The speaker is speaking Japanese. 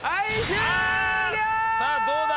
さあどうだ？